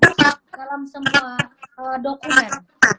berangkat dalam semua dokumen